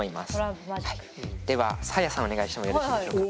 ではサーヤさんお願いしてもよろしいでしょうか？